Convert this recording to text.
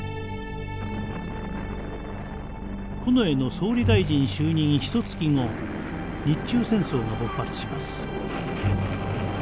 近衛の総理大臣就任１か月後日中戦争が勃発します。